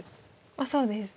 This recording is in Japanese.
そうですね。